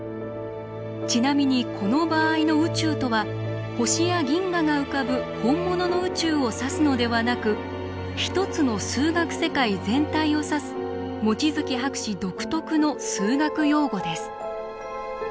ちなみにこの場合の宇宙とは星や銀河が浮かぶ本物の宇宙を指すのではなく一つの数学世界全体を指す望月博士独特の数学用語です。